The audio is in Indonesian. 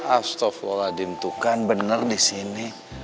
astagfirullahaladzim tuh kan bener di sini